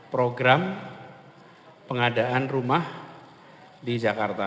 program pengadaan rumah di jakarta